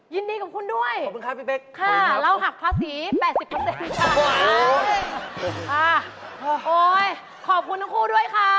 ยินดีกับคุณด้วยค่ะเราหักภาษี๘๐ค่ะโอ้ยขอบคุณทั้งคู่ด้วยค่ะ